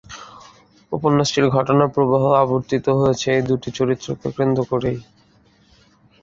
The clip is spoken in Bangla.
উপন্যাসটির ঘটনা প্রবাহ আবর্তিত হয়েছে এই দু'টি চরিত্রকে কেন্দ্র করেই।